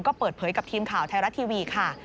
ก็เปิดเผยกับทีมข่าวไทยรัฐทีวีค่ะ